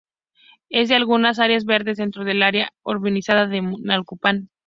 Es de las últimas áreas verdes dentro del área urbanizada de Naucalpan.